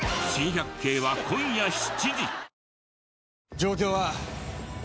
状況は？